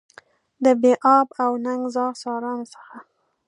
د بې آب او ننګ زاغ سارانو څخه.